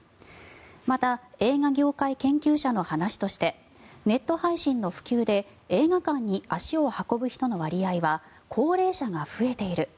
また、映画業界研究者の話としてネット配信の普及で映画館に足を運ぶ人の割合は高齢者が増えている。